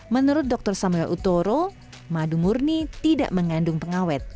menurut dr samuel utoro madu murni tidak mengandung pengawet